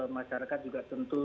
masyarakat juga tentu